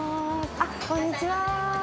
あっ、こんにちは。